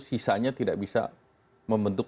sisanya tidak bisa membentuk